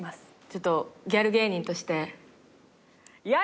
ちょっとギャル芸人として。